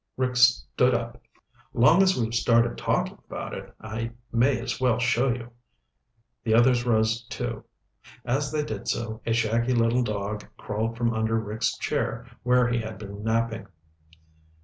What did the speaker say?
Rick stood up. "Long as we've started talking about it, I may as well show you." The others rose, too. As they did so, a shaggy little dog crawled from under Rick's chair where he had been napping.